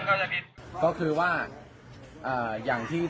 กนโจมตี